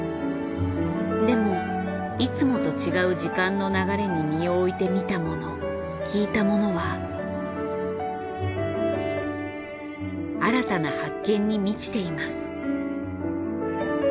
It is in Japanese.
でもいつもと違う時間の流れに身を置いて見たもの聞いたものは新たな発見に満ちています。